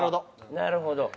なるほど。